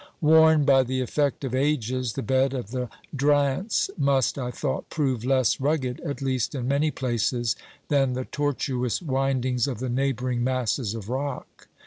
Worn by the effect of ages, the bed of the Drance must, I thought, prove less rugged, at least in many places, than the tortuous windings of the neighbouring masses of rock.